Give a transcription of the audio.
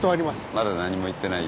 まだ何も言ってないよ。